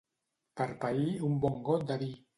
Per pair, un bon got de vi.